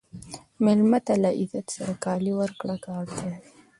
مېلمه ته له عزت سره کالي ورکړه که اړتیا وي.